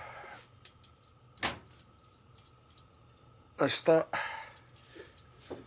明日。